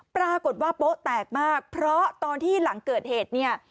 ปรากฏว่าโป๊ะแตกมากเพราะตอนที่หลังเกิดเหตุเนี่ย